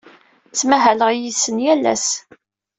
Ttmahaleɣ yid-sen yal ass.